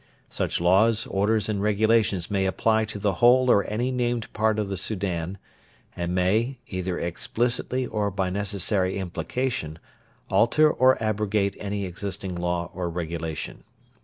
Such Laws, Orders, and Regulations may apply to the whole or any named part of the Soudan, and may, either explicitly or by necessary implication, alter or abrogate any existing Law or Regulation.